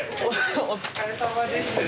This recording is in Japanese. お疲れさまです。